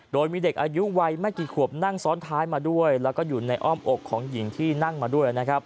โดยมีเด็กอายุวัยไม่กี่ขวบนั่งซ้อนท้ายมาด้วยแล้วก็อยู่ในอ้อมอกของหญิงที่นั่งมาด้วยนะครับ